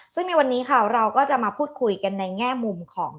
ซึ่งในวันนี้ค่ะเราก็จะมาพูดคุยกันในแง่มุมของ